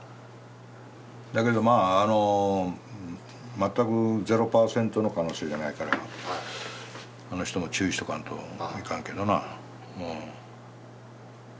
だけどまあ全く０％の可能性じゃないからあの人も注意しとかんといかんけどな。